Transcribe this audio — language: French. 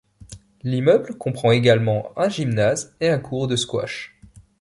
L'immeuble comprend également un gymnase et un court de squash.